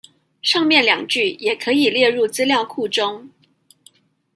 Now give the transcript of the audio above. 上面兩句也可以列入資料庫中